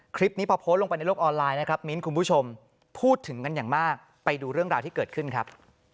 คลิปนี้พอโพสต์ลงไปในโลกออนไลน์นะครับมิ้นคุณผู้ชมพูดถึงกันอย่างมากไปดูเรื่องราวที่เกิดขึ้นครับ